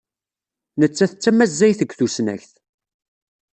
Nettat d tamazzayt deg tusnakt.